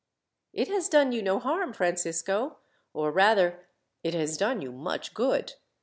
"It has done you no harm, Francisco, or rather it has done you much good.